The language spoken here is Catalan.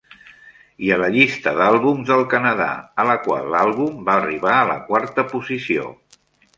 I a la llista d'àlbums del Canadà, a la qual l'àlbum va arribar a la quarta posició.